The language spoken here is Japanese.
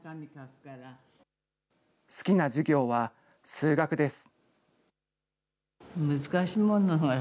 好きな授業は数学です。